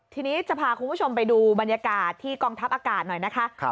ทีนี้จะพาคุณผู้ชมไปดูบรรยากาศที่กองทัพอากาศหน่อยนะคะ